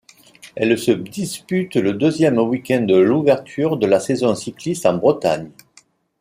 Elle se dispute le deuxième week-end de l'ouverture de la saison cycliste en Bretagne.